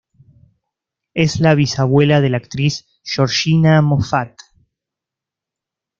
Es la bisabuela de la actriz Georgina Moffat.